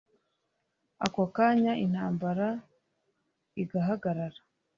ako kanya intambara igahagarara